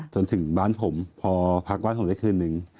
จนถึงบ้านผมพอพักบ้านผมได้คืนนึง